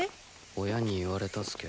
親に言われたすけ。